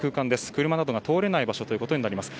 車などが通れない場所となります。